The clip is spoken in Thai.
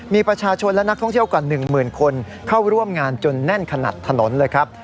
มีประชาชนและนักท่องเที่ยวกว่า๑หมื่นคนเข้าร่วมงานจนแน่นขนาดถนนเลยครับ